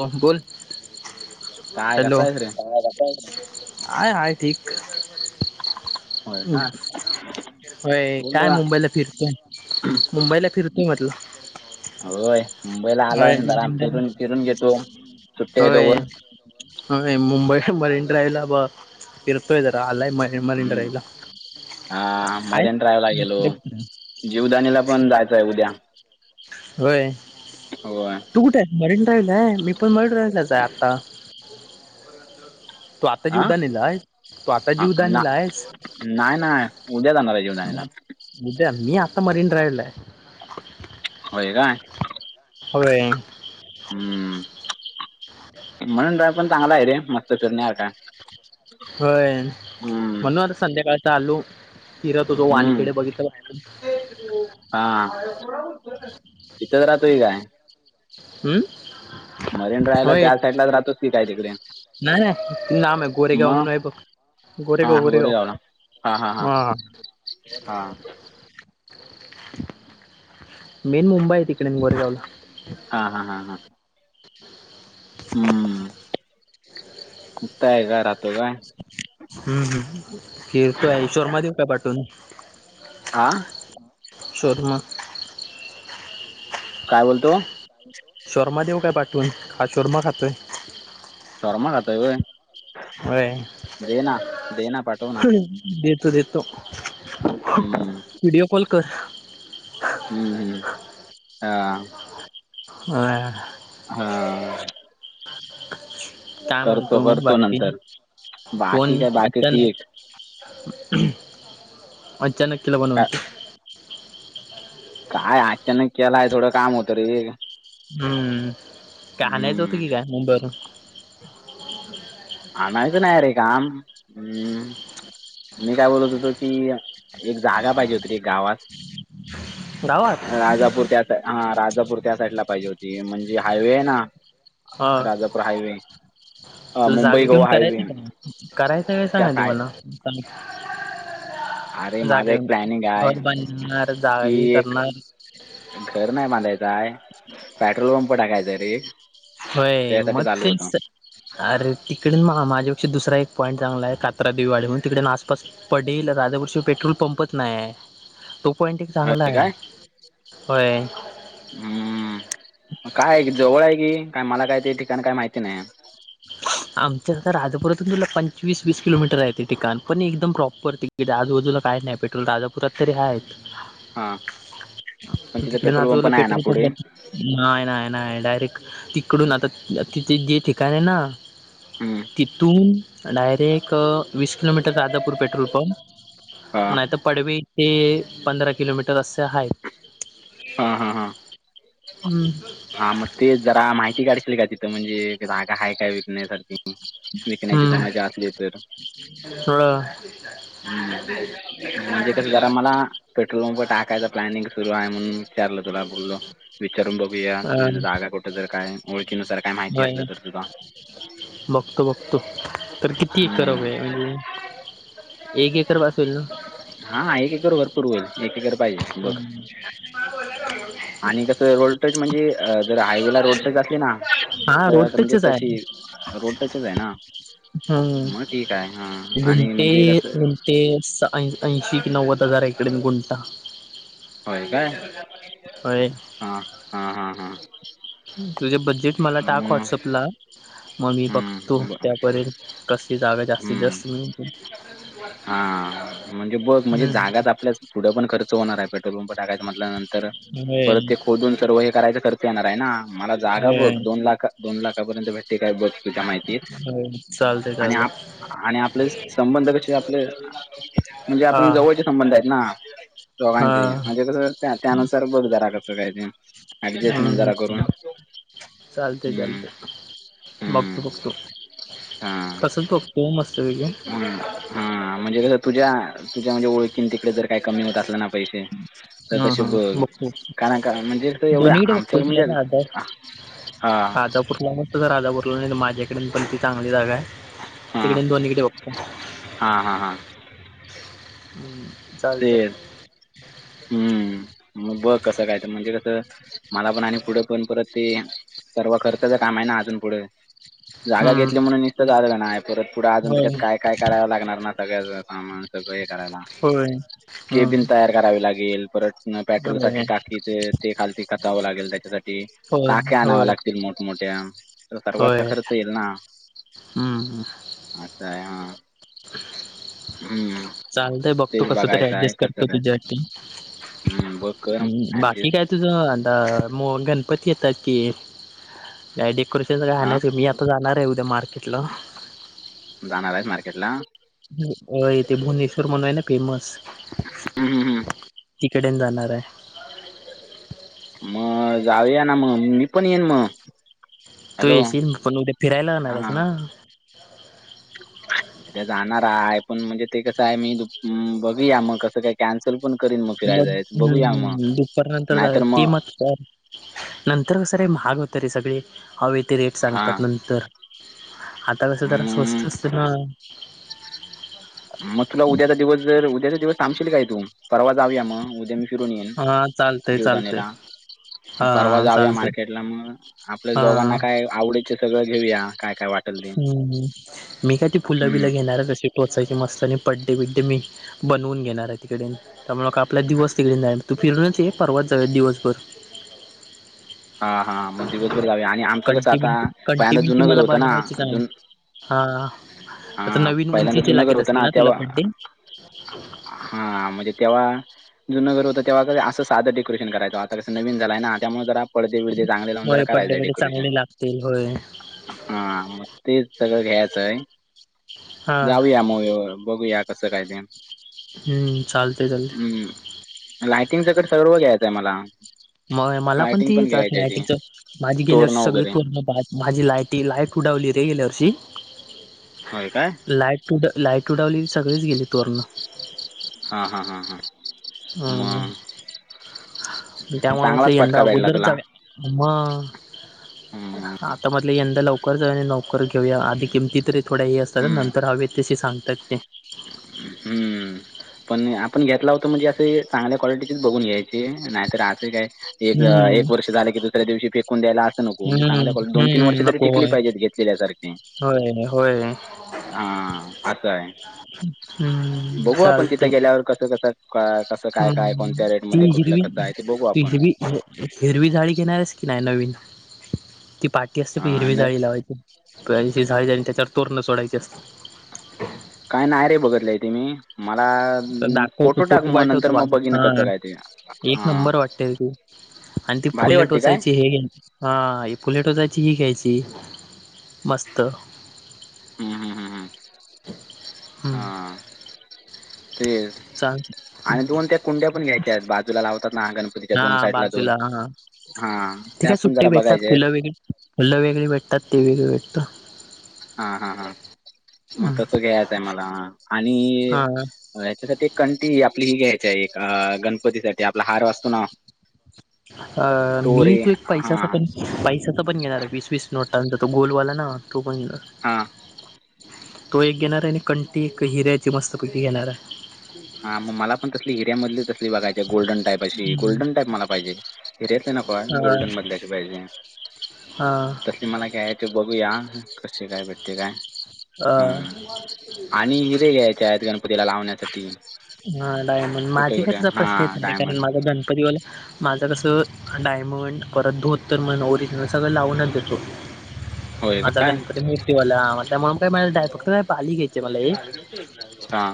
हो बोल [unintelligible] काय हॅलो! कसा आहेस रे हाय. हाय. ठीक. होय का व्हय बोललो काय? ना मुंबईला फिरतोय. मुंबईला फिरतोय म्हटलं. होयं मुंबईला आलोय होय जर मरीन फिरून, ड्राईव्ह फिरून घेतो सुट्टी आहे होय तोवर. होय मुंबई मरीन ड्राईव्हला. फिरतोय जरा आलायम. हम्म हा आहेत मरीन ड्रायव्हला गेलो. मित्र मित्र जीवदानीला पण जायचंय उद्या. व्हय. होय तू कुठेये? मरीन ड्राईव्ह ला ये. मी पण मरीन ड्राइव्ह लाच ये आत्ता. [unintelligible] आता हा हा, जीवदानी ला हाय. तू आता ना जीवदानीला हायस. नाही नाही उद्या जाणार आहे जीवदानीला उद्या. मी आता मरीनड्राइव्हला हाय. होय काय? होय.. हम्म. मरीन ड्राईव्ह पण चांगला आहे. रे मस्त फिरण्यासारखा. होय हम्म म्हणून आता संध्याकाळचं आलो. फिरत होतो. हम्म वानखेडे बघितलेल. हा. इथंच राहतोय काय? हम्म. मरीन ड्रायव्ह होय त्या साईड लाच राहतोयच की ती काय? तिकडे. नाही, नाही नाम आहे. गोरेगाव मग म्हणून आहे हा गोरेगाव, गोरेगाव. गोरेगावला हा हा हा हा.. मेन मुंबई आहे तिकडे मी गोरेगावला. हा हा हा हां. हम्म ईथे हाय का राहतो काय? हम्म. हम. किरक आहे शोरमा देऊ का? पाठवून आं? शोरूमं काय बोलतोय? शोरमा देऊ काय? पाठवून. हा चुरमा खातोय. शोरमा खाता होय होय दे ना, दे ना. पाठव ना. देतो. देतो. हम्म. व्हिडिओ कॉल कर. हम्म. हम्म. हा. होय. हा.. काय? करतो म्हणतो मग करतो बाकी. नंतर बाकी फोन काय बाकी आता ठीक नाही. अचानक किला बनवून का काय? अचानक केलाय. थोडं काम होतं रे. हम्म, काय आणायचं होतं? की हम्म मुंबई वरून. आणायचं नाही रे काम. हम्म मी काय? बोलत होतो की. एक जागा पाहिजे होती, एक गावात गावात राजापूर त्या. हा राजापूर त्या साईडला पाहिजे होती. म्हणजे हायवे आहे ना हा राजापुर हायवे अ मुंब [unintelligible] करायचं का? सांग त्या आधी साय मला. अरे माझं जागे एक प्लॅनिंग आहे घर बांधणार जाग की ही एक करणार घर नाही बांधायचंय. पेट्रोल पंप टाकायचंय रे. होय त्यासाठी मग चालू ती.. होतं अरे तिकडे मग माझ्यापेक्षा दुसरा एक पॉईंट चांगला आहे. कात्रा देवीवाडी म्हणून तिकडे ना पस पडेल राजापूर पेट्रोल पंपच नाही आहे. तो पॉइंट एक चांगला होय आहे. काय होय. हम्म. काय आहे की जवळ आहे की काय मला काय ते ठिकाणी काही माहिती नाही. [inaudible] आमच्या आ राजपुरातून तुला पंचवीस वीस किलोमीटर आहे ते ठिकाण, पण एकदम प्रॉपर ते आजूबाजूला काही नाही. पेट्रोल राजापुरात तरी आहे. हा. पण तिथ पेट्रोल पंप नाही. आहे ना पुढे. नाय नाय नाय डायरेक तिकडून आता तिथे जे ठिकण आहे ना हम्म. तिथून डायरेक्ट वीस किलोमीटर राजापूर पेट्रोल पंप. हां नाही तर पडवी ते पंधरा किलोमीट तस असे हायत. हम्म. हा मग तेच जरा माहिती काढशील का तिथं म्हणजे जागा हाय काय विकण्यासारखी. विकण्याची हम्म कोणाचे असले तर थोडं हम्म. म्हणजे कसं जरा मला पेट्रोल पंप टाकायचं प्लॅनिंग सुरू आहे म्हणून विचारलं तुला बोललो विचारून बघूया तुझ्या अं जागा कुठे जर काय ओळखीनुसार काय माहिती होय असलं तर. [unintelligible] बघतो बघतो तर किती एकर हम्म हवे म्हणजे एक एकर बस होईल ना. हा एक एकर भरपूर होईल एक एकर पाहि अम्म तुम्हाला बोलवय लागलोय का? [unintelligible] वॉल्टेज म्हणजे अ जर हायवेला रोड टच असली ना हा तर रोड आता म्हणजे टचच तशी रोड टचच आहे ना. था मग ठीक आहे हां आणि गुंटे म्हणजे कसं गुंटे सा ऐं ऐंशी एक नव्वद हजार एककडेन गुणटा. होय काय होय. हां हां हां हां. तुझे बजेट मला टाक मग व्हॉट्सअपला. म मी बघतो हम्म ब- त्यापर्यंत कसी जागा जास्तीत जास्त. [unintelligible] हा म्हणजे बघ म्हणजे हम्म. जागाच आपल्या पुढं पण खर्च होणार आहे पे तो बुंप टाकायचं म्हटल्या नंतर होय परत ते खोदून सर्व हे करायचं तर ते येणार आहे ना मला जागा होय बघ दोन लाखा दोन लाखापर्यंत भेटते काय बघ. चां माहिती होय चालतंय आणि चालतंय आप आणि आपले संबंध कशे आपले म्हणजे हा आपण जवळच्या संबंध आहेत ना हा दोघांचे म्हणजे कसं त्या त्यानुसार बघ जरा करतो काय ते. ऍडजस्टमेंट हम्म जरा करून [unintelligible] चालते हम्म चालते. हम्म बघतो बघतो हां. कसं ठोकतो मस्तपैकी. हम्म म्हणजे कसं तुझ्या तुझ्या म्हणजे ओळखीन तिकडे जर काही कमी होत असलं ना पैशे तर हा तशे हा बघ बघतो कारण का म्हणजे एवढं आमच्याकडे म्हणजे हा आता कुठला तुझा राजा बरला नाही तर माझ्याकडेन पण ती चांगली जागा आहे तिकडे आन दोन्हीकडे बघते. हां हां हां. हम्म ते चालतेय. हम्म म बघ कसं कायतर म्हणजे कसं मला पण आणि पुढं पण परत ते सर्व खर्चचा काम आहे ना अजून पुढे. जागा हम्म घेतली म्हणून निसतं झालं नाय परत पुढे अजून त्याच्यात होय काय काय करायवं लागणार ना सगळ्याचं सामान तसं हे करायला होय केबिन हम्म तयार करावी लागेल. तेल परत ना पेट्रोल साठी होय टाकी ते खालती कचावं लागेल त्याच्यासाठी होय टाक्या आणाव होय लाग तील मोठमोठ्या तर सर्वचा होय खर्च येईल ना. हम्म आताय हा हम्म. चालतय बघतो तेच कसं तरी बघायचं आहे ऍडजस्ट कसं करतो करायचं आहे. तुझ्याठी हम्म बघ कर बाकी ऍडजस्ट काय तुझं दा मो गणपती येतात की डेकोरेशन सगळं हा आणायचं मी तो जाणार आहे उद्या मार्केटला. जाणार आहेस मार्केट ला. हम्म अ ते भुवनेश्वर म्हणू आहे ना फेमस. हम्म हम्म हम्म. तिकडेन जाणार आहे. म जाऊया ना मग मी पण येईन म. तू येशील पण, उद्या फिरायला येणार आहेस हा ना. उद्या जाणार आहे पण, म्हणजे ते कसं आहे मी बघूया मग कसं काय? कॅन्सल पण करीन म फिराय मग जायच बघूया म नाहीतर म तर नंतर कसं रे महाग होतं रे सगळे हवे ते रेट हा सांगतात नंतर. आता कसं जरा म, स्वस्त असत ना. मग तुला उद्याचा दिवस जर उद्याचा दिवस थांबशील काय तू? परवा जाऊया मग उद्या मी फिरून येईन हा चालतंय चालतंय जीवदानीला. हा परवा जाऊया चालतंय मार्केटला मग, आपल्या हा दोघांना काय आवडे ते सगळं घेऊया काय काय वाट हम्म हम्म मी काय ते फुलं हम्म बिला घेणार कसे. टोचायचे मस्तानी आणि पड्डे, बिड्डे मी बनवून घेणार आहे तिकडे. त्यामुळे आपला दिवस तिकडे जाईल, तू फिरूनच ये परवात जाऊ दिवसभर. हा हा मग दिवसभर जाऊया आणि आमचं कसं आता कंटिन्यू पहिल्यांदा कंटिन्यू जुनघर मला होत ना बनवायचीच आहे जु हा आता हा नवीन पहिल्यांदा उंचीचे जुनं घर लागत होता असतील ना तुला तेव्हा. बड्डे हा. म्हणजे तेव्हा जुनं घर होत. तेव्हा कसं असं साध डेकोरेशन करायचो. आता कस नवीन झालाय ना त्यामुळे जरा परदे बिरदे चांगले लाऊन जरा होय बड्डे करायचा बड्डे डेकोरेशन. चांगले लागतील होय हा मग ते सगळं घ्यायचं आहे. हा जाऊया मग बघूया कसं काय ते. हम्म. चालतंय, चालतंय. लाइटिंगच तर सर्व घ्यायचंय मला. मग मला पण लायटिंग ती जात घ्यायची आहे नाही, ती तिथं माझी तोरणं गेल्यावर्षी सगळी वगैरे तोरणं [unintelligible] माझी लायटी लाईट उडावली रे, गेल्या वर्षी. होय काय लाईट उड लाईट उडावली सगळीच गेली तोरण. हा हा, हा हा. हम्म मग त्यामुळे म्हटलं चांगलाच यंदा फटका भेटला अगोदरच तुला जाऊया. मग? हम्म आता मधलं यंदा लवकर जाऊ आणि लवकर घेऊया आधी किमतीतरी थोडं हे असतात तर हम्म. नंतर हवेेत तसे सांगतात ते. हम्म. पण आपण घेतला होतो म्हणजे, असे चांगल्या क्वालिटीचेच बघून घ्यायचे नाही तर असं काय. हम्म एक वर्ष झालं की दुसऱ्या दिवशी फेकून्यायला असं नको म्हणे हम्म चांगल्या दोन तीन वर्ष हम्म तरी नको टिकली होय पाहिजेत घेतलेल्यासार होय रे. होय रे. हा असं आहे, हम्म बघू आपण तिथं चालतंय गेल्यावर कसं कसं का कसं काय काय हम्म कोणत्या रेट ती मध्ये कुठलं हिरवी कसं आहे ते बघू ती आपण. हिरवी हिरवी झाळी घेणारस की नाही नवीन, ती पाट असते पण हिरवी अन् झाळी लावायची. कोणाची साडी जाईल आणि त्याच्यावर तोरणं सोडायचे असतते. काय, नाही रे बघत लंय ते मी. मला तर दाखवतो फोटो टाक मग नंतर पाठवतो मग माझा बघिन हा कसं काय ते, एक हा. नंबर वाटते ती आणि ती फुले टोचायची हे घ्यायची. हा. हे फुलं टोचायची ही घ्यायची मस्त. हम्म हम्म हम्म हम्म हम्म हा तेच चांग आणि, दोन त्या कुंड्या पण घ्यायच्या आहेत बाद तुला लावतात ना गणपतीच्या दोन हा साईडला दोन बाजूला हा हा त्यापण जरा बघायच्यात. फुल वेगळी भेटतात, ते वेगळी भेटत. हा हा हा, मग तस घ्यायचं आहे मला आणि हा हच्यासाठी एक कंटी आपली ही घ्यायची आहे, एक गणपतीसाठी आपला हार असतो ना. अ तो मी रे तू एक पैशचा हा पण पै पण घेणार वीस वीस नोटांचा तो गोलवाला ना तो पण घेणार. हा तो एक घेणार आहे आणि कंटी एक हिऱ्याची मस्तपैकी घेणार आहे. हा, मग मला पण तसले हिऱ्या मधली कर. बघायची गोल्डन टाईप अशी, हम्म गोल्डन टाईप मला पाहिजे हिऱ्यातली नकोय हा गोल्डन मधल्या अशी पाहिजे. [inaudible] [unintelligible] हा. तसली मला काय आहे ते बघूया कसे काय भेटते काय अ हम्म आणि हिरे घ्यायचे आहेत गणपतीला लावण्यासाठी. हा डायमंड कुठे माझे कस कुठे [unintelligible] तुझा हा प्रश्न येत नाही कारण डायमंड माझा डन [unintelligible] माझं कसं डायमंड परत धोतर म्हण तरी सगळं लावूनच देतो होय आता काय गणपती [unintelligible] [unintelligible] हा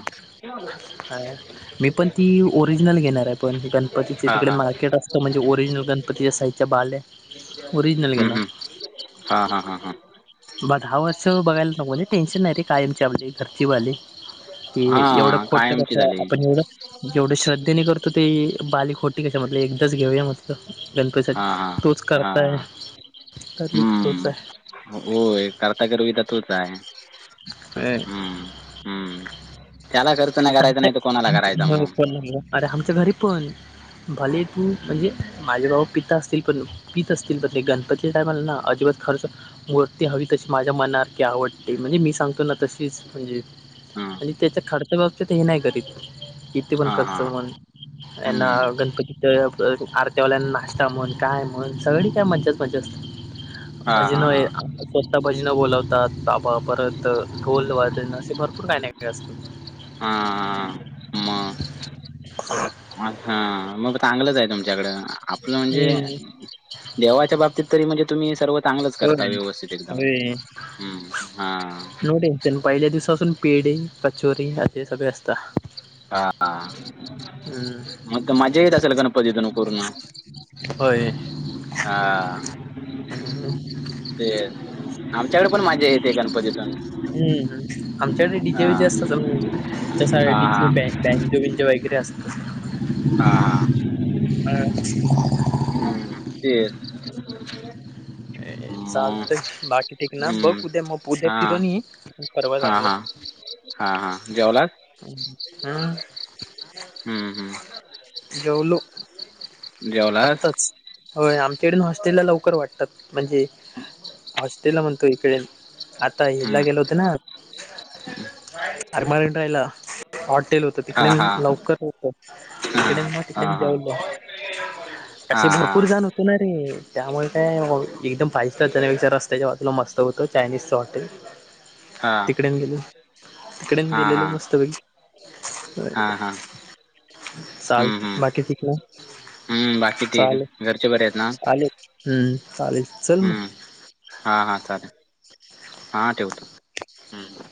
[unintelligible] हाय मी पण ती ओरिजिनल घेणार आहे पण गणपतीचे हां तिकडे हां मार्केट असतं म्हणजे ओरिजिनल गणपतीच्या साइज चबाले [unintelligible] हम्म हम्म हा हा हा हा. मग दहा वर्ष बघायला नको म्हजे टेन्शन नाही रे काय आमच्याली घरची बाली [unintelligible] की हा कायमची झाली. जेवढे श्रद्धेने करतो ते बालिक खोटी कशा म्हट एकदाच घेऊया मग [unintelligible] गणपतीसाठी हां तोच करताय तर मी तर तोच आहे हम्म होय करता करवी तर तोच आहे. हम्म हम्म त्याला खर्च नाही करायचा आमच्या नाही तर कोणाला करायचा आमच्या हो मग? पण अरे आमच्या घरी पण भले तू म्हणजे माझे बाबा पित असतील पण पीत असतील तरे गणपतीच्या टायमाला ना अजिबात खर्च मूर्ती हवी तशी माझ्या मनात ती आवडते म्हणजे मी सांगतो ना तशीच म्हणजे हां आणि त्याच्या खर्च बाबतीत हे नाही करीत [unintelligible] हां ऐना हां गणपती तर आरती्यावाल्यांना नाश्ता म्हण काय म्हण सगळी काय मजाच मजा असतात. [inaudible] [unintelligible] भजन होय हां स्वतः भजन बोलवतात बाबा परत ढोल वादन असं भरपूर काही ना काहीतरी ते असतं. हा [unintelligible] मग हा मग चांगलंच आहे तुमच्याकड आपलं म्हणजे हम्म देवाच्या बाबतीत तरी म्हणजे तुम्ही सर्व चांगलंच करता होय व्यवस्थित एकदम होय. हम्म हा तेन पहिल्या दिवसापासून पेढे कचोरी ते सगळं असतं. हा हा मग तर मजा येत असेल गणपतीतन पूर्ण? होय. हा ते आमच्याकडे पण मजा येते गणपतीतून. हम आमच्याकडे डीजे हा डीजे असतं हा हा सर्व बॅन्जो बिन्जो वगैरे हा [unintelligible] हम्म ते मग चालत बाकी ठीक ना बघ हम्म उद्या मग उद्या हा फिरून ये परवा हा हा जाऊया. हा हा जेवलास? हा हम्म हम्म. जेवलो जेवलास आत्ताच. होय आमच्याकडून हॉस्टेलला लवकर वाटतात म्हणजे हॉस्टेला म्हणतो इकडे आता हिला हम्म गेलो होतो ना अरे मरीन ड्राईव्हला हॉटेल होतं हा तिकडे हा लवकर होतो. हा तिकडे मग, हा हा तिकडे [unintelligible] हा. पूर जाणवतो. ना रे त्यामुळे काय? एकदम पाहि रस्त्याच्या [unintelligible] बाजूला मस्त होतं चायनीजच हॉटेल. तिकडेन गेल हा तिकडेन हा गेलेलो मस्त पैकी [inaudible] [unintelligible] हा हा [unintelligible] हम्म चालतंय हम्म बाकी तिकडं हम्म बाकी [unintelligible] ठीक चालेल. घरचे बरे आहेत ना आलेत. हम्म. चालेल. चल हम्म मग. हा हा चालेल हा ठेवतो हम्म.